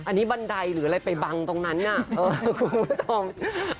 อันนี้บันไดหรืออะไรไปบังตรงนั้นน่ะคุณผู้ชม